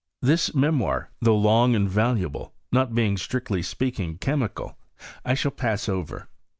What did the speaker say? This memoir, though long and valuable, not being strictly speaking chemical, I shall pass over.